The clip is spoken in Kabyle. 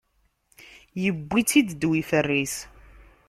Iwwi-tt-id ddaw ifer-is.